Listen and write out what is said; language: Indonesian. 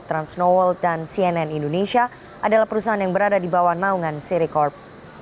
transnoworld dan cnn indonesia adalah perusahaan yang berada di bawah naungan siricorp